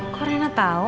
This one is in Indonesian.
kok rena tahu